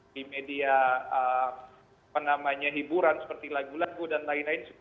di media hiburan seperti lagu lagu dan lain lain